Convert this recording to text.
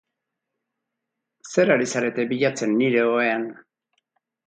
Zer ari zarete bilatzen nire ohean?